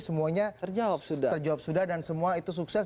semuanya terjawab sudah dan semua itu sukses